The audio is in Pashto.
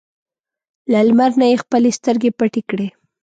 له لمر نه یې خپلې سترګې پټې کړې.